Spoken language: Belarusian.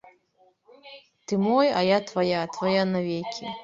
Ты мой, а я твая, твая навекі.